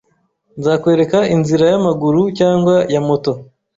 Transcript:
nzakwereka inzira yamaguru cyangwa ya moto